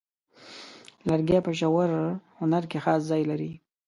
لرګی په ژور هنر کې خاص ځای لري.